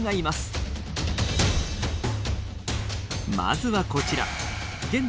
まずはこちら現在